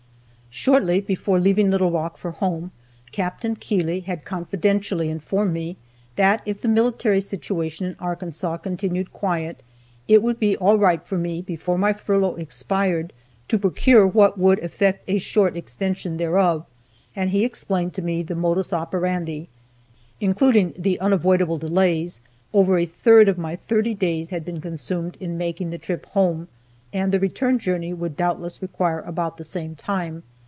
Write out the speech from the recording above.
Shortly before leaving Little Rock for home, Capt. Keeley had confidentially informed me that if the military situation in Arkansas continued quiet, it would be all right for me before my furlough expired to procure what would effect a short extension thereof, and he explained to me the modus operandi. Including the unavoidable delays, over a third of my thirty days had been consumed in making the trip home, and the return journey would doubtless require about the same time.